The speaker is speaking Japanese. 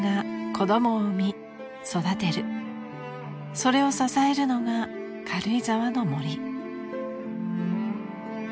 ［それを支えるのが軽井沢の森］